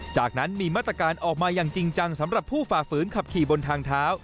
จากนั้นมีมาตรการออกมาอย่างจริงจังสำหรับผู้ฝ่าฝืนขับขี่บนทางเท้า